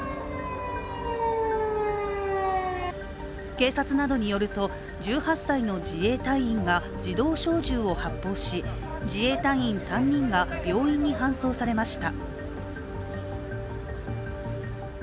警察などによると１８歳の自衛隊員が自動小銃を発砲し、自衛隊員３人が病院に搬送されました。